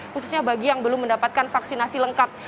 khususnya bagi yang belum mendapatkan vaksinasi lengkap